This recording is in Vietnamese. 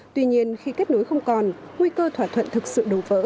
tuy nhiên khi kết nối không còn nguy cơ thỏa thuận thực sự đổ vỡ